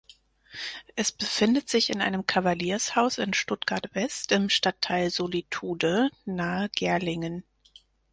Es befindet sich in einem Kavaliershaus in Stuttgart-West im Stadtteil Solitude nahe Gerlingen.